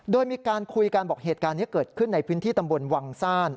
โดยมีการคุยกันบอกเหตุการณ์นี้เกิดขึ้นในพื้นที่ตำบลวังซ่าน